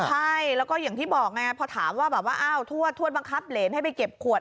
ใช่แล้วก็อย่างที่บอกพอถามว่าทวดบังคับเหรนให้ไปเก็บขวด